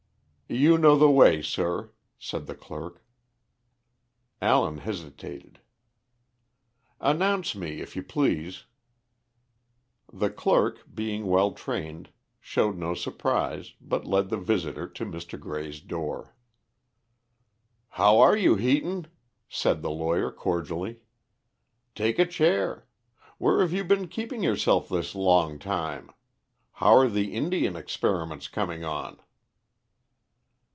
"You know the way, sir," said the clerk. Allen hesitated. "Announce me, if you please." The clerk, being well trained, showed no surprise, but led the visitor to Mr. Grey's door. "How are you, Heaton?" said the lawyer, cordially. "Take a chair. Where have you been keeping yourself this long time? How are the Indian experiments coming on?"